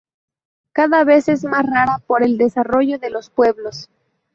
Cada vez es más rara por el desarrollo de los pueblos.